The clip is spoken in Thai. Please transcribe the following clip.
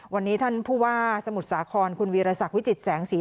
วันนี้ท่านผู้ว่าสมุทรสาครคุณวีรศักดิ์วิจิตแสงสี